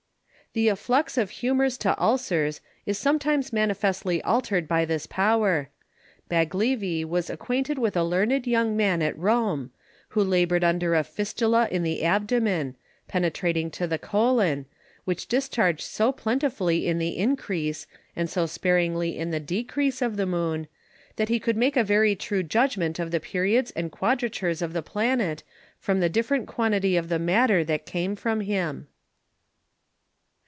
The Afflux of Humours to Ulcers is sometimes manifestly altered by this Power; Baglivi was acquainted with a Learned Young Man at Rome, who labour'd under a Fistula in the Abdomen, penetrating to the Colon, which discharged so plentifully in the Increase, and so sparingly in the Decrease of the Moon, that he could make a very true judgment of the Periods and Quadratures of the Planet, from the different quantity of the Matter that came from Him.